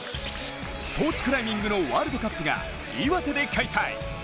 スポーツクライミングのワールドカップが岩手で開催。